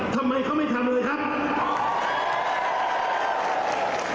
ทำไมเขาไม่ทำเลยครับ